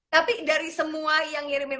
tapi dari semua yang ngirimin